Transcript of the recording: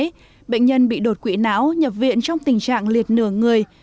trong đó bệnh nhân bị đột quỵ não nhập viện trong tình trạng liệt nửa người